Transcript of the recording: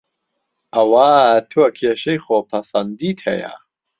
ئەوا تۆ کێشەی خۆ پەسەندیت هەیە